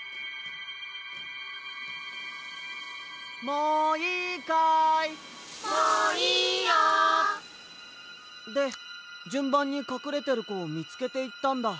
もういいよ！でじゅんばんにかくれてるこをみつけていったんだ。